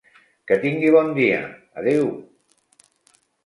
Que tingui bon dia, adeu.